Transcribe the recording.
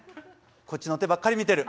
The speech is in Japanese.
こっちの手ばっかり見てる。